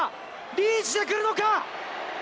リーチでくるのか？